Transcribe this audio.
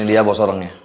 ini dia bos orangnya